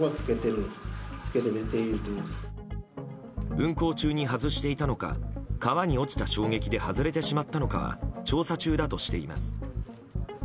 運航中に外していたのか川に落ちた衝撃で外れてしまったのかは調査中だとしています。